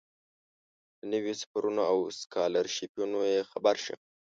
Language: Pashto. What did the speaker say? له نویو سفرونو او سکالرشیپونو یې خبر شم.